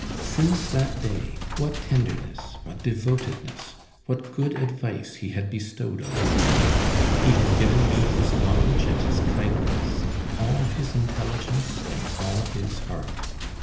Since that day, what tenderness, what devotedness, what good advice he had bestowed on me! He had given me his knowledge and his kindness, all his intelligence and all his heart.